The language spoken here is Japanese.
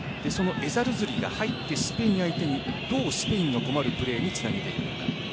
エザルズリが入ってスペイン相手にどうスペインが困るプレーにつなげていくのか。